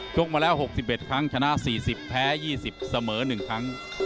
กมาแล้ว๖๑ครั้งชนะ๔๐แพ้๒๐เสมอ๑ครั้ง